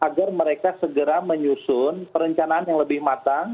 agar mereka segera menyusun perencanaan yang lebih matang